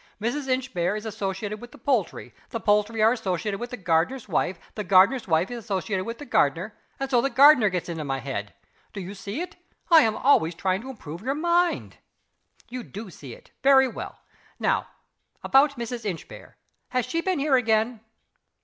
Mrs. Inchbare is associated with the poultry; the poultry are associated with the gardener's wife; the gardener's wife is associated with the gardener and so the gardener gets into my head. Do you see it? I am always trying to improve your mind. You do see it? Very well. Now about Mrs. Inchbare? Has she been here again?"